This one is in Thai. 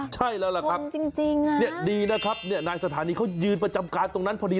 ใช่แล้วล่ะครับดีนะครับนายสถานีเขายืนประจำการตรงนั้นพอดี